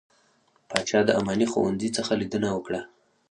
پاچا د اماني ښوونځي څخه څخه ليدنه وکړه .